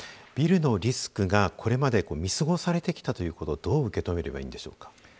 ビルのリスクがこれまで見過ごされてきたということどう受け止めればいいんでしょうか。